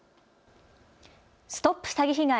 ＳＴＯＰ詐欺被害！